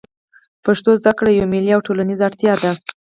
پښتو زده کړه یوه ملي او ټولنیزه اړتیا ده